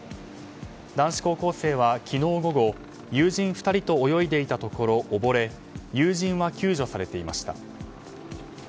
男子高校生は昨日午後友人２人と泳いでいたところ、溺れ友人は救助されていました。